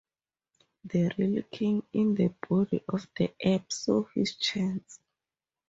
The real king in the body of the ape sow his chance.